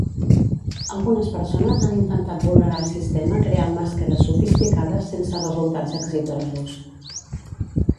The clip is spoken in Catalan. Algunes persones han intentat vulnerar el sistema creant màscares sofisticades sense resultats exitosos.